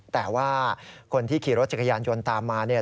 แต่ว่าคนที่ขี่รถจักรยานยนต์ตามมาเนี่ย